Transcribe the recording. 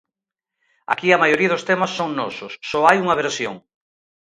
Aquí a maioría dos temas son nosos, só hai unha versión.